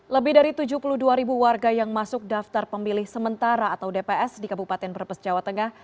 lebih dari tujuh puluh dua ribu warga yang masuk daftar pemilih sementara atau dps di kabupaten brebes jawa tengah